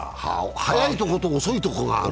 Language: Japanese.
速いところと遅いところがある？